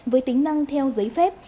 với tính năng theo giấy phép